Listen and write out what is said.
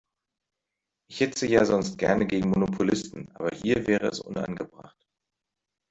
Ich hetze ja sonst gerne gegen Monopolisten, aber hier wäre es unangebracht.